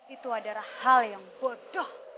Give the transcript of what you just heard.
itu adalah hal yang bodoh